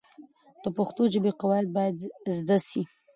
د پښتو ژبې قواعد باید زده سي.